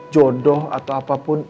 jodoh atau apapun